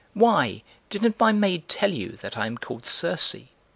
"Why, didn't my maid tell you that I am called Circe?"